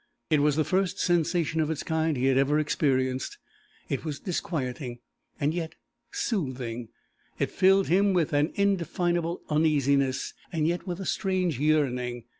It was the first sensation of its kind he had ever experienced; it was disquieting, and yet soothing; it filled him with an indefinable uneasiness, and yet with a strange yearning.